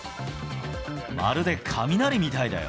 まるで雷みたいだよ。